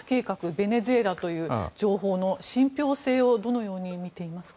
ベネズエラという情報の信ぴょう性をどのように見ていますか。